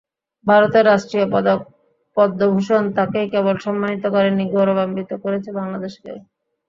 ভারতের রাষ্ট্রীয় পদক পদ্মভূষণ তাঁকেই কেবল সম্মানিত করেনি, গৌরবান্বিত করেছে বাংলাদেশকেও।